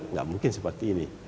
nggak mungkin seperti ini